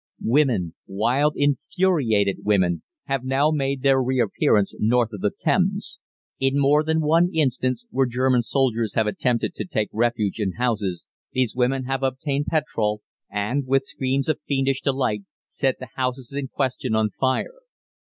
"Women wild, infuriated women have now made their reappearance north of the Thames. In more than one instance, where German soldiers have attempted to take refuge in houses, these women have obtained petrol, and, with screams of fiendish delight, set the houses in question on fire.